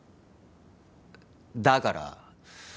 だからっ